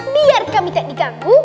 biar kami tak diganggu